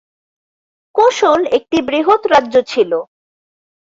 কোশল একটি বৃহৎ রাজ্য ছিল।